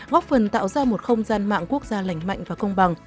góp phần tạo ra một không gian mạng quốc gia lành mạnh và công bằng